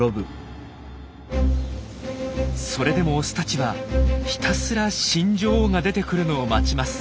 それでもオスたちはひたすら新女王が出てくるのを待ちます。